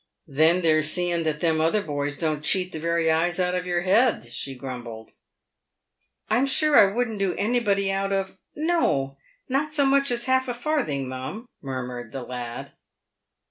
" Then there's seeing that them other boys don't cheat the very eyes out of your head," she grumbled. " I'm sure I wouldn't do anybody out of — no ! not so much as half a farthing, mum," murmured the lad.